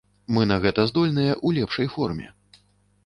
Мы на гэта здольныя ў лепшай форме.